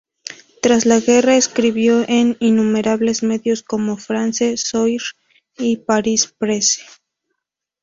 Tras la guerra escribió en innumerables medios como France Soir y Paris Presse.